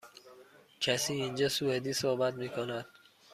کسی اینجا سوئدی صحبت می کند؟